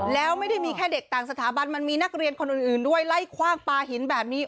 แล้วไม่ได้มีแค่เด็กต่างสถาบันมันมีนักเรียนคนอื่นด้วยไล่คว่างปลาหินแบบนี้